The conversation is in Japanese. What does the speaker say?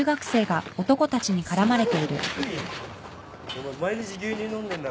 お前毎日牛乳飲んでんだろ。